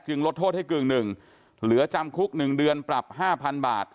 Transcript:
จึงลดโทษให้กลืม๑เหลือจำคลุก๑เดือนปรับ๕๐๐๐บาท